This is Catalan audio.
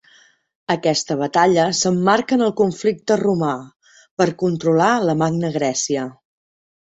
Aquesta batalla s'emmarca en el conflicte Romà, per controlar la Magna Grècia.